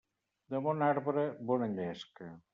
De bon arbre, bona llesca.